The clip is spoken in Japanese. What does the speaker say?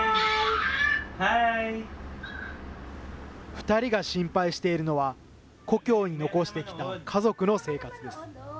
２人が心配しているのは、故郷に残してきた家族の生活です。